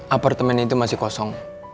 apartemen itu masih kosong